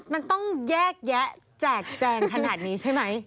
มันต้องแยกแยะแจกแจงขนาดนี้ใช่ไหม